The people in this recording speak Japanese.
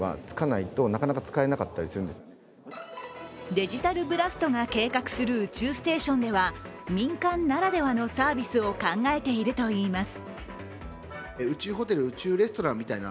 ＤｉｇｉｔａｌＢｌａｓｔが計画する宇宙ステーションでは民間ならではのサービスを考えているといいます。